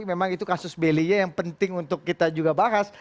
memang itu kasus belia yang penting untuk kita juga bahas